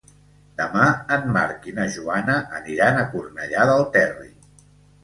Demà en Marc i na Joana aniran a Cornellà del Terri.